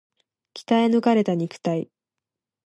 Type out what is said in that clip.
鍛え抜かれた肉体